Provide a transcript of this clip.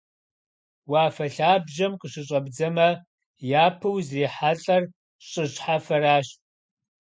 Уафэ лъабжьэм къыщыщӀэбдзэмэ, япэу узрихьэлӀэр щӀы щхьэфэращ.